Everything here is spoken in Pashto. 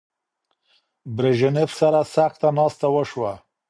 برژنیف سره سخته ناسته وشوه.